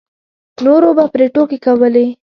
نورو به پرې ټوکې کولې.